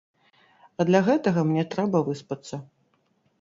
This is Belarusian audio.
А для гэтага мне трэба выспацца.